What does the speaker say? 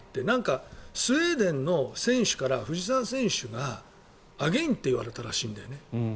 なんかスウェーデンの選手から藤澤選手がアゲインって言われたらしいんだよね。